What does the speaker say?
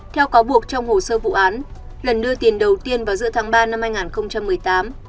theo cáo buộc trong hồ sơ vụ án lần đưa tiền đầu tiên vào giữa tháng ba năm hai nghìn một mươi tám